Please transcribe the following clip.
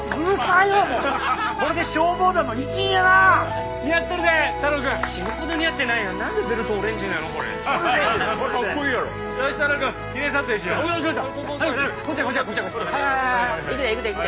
いくでいくでいくで。